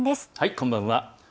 こんばんは。